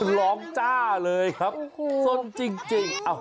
ร้องจ้าเลยครับสนจริง